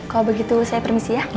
kalau begitu saya permisi ya